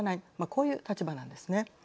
こういう立場なんですね。